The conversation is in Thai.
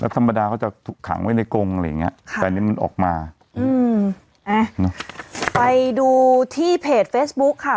ธรรมดาเขาจะถูกขังไว้ในกงอะไรอย่างเงี้ยค่ะแต่อันนี้มันออกมาอืมอ่ะไปดูที่เพจเฟซบุ๊คค่ะ